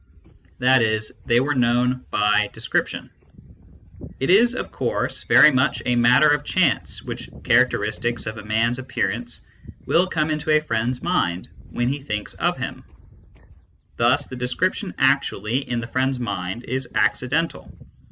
That is, they were known by descriptionj&It is, of course, very much a matter of chance which characteristics of a man s appearance will come into a friend s mind when he thinks of him ; thus the description actually in the friend s mind is accidental